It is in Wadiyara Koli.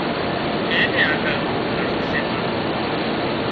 اين نين آڳۯ ڀڻوون سي پر